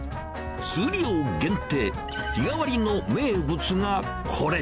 数量限定、日替わりの名物がこれ。